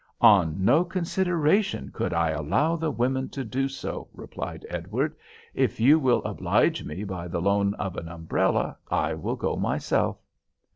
"On no consideration could I allow the women to do so," replied Edward. "If you will oblige me by the loan of an umbrella, I will go myself."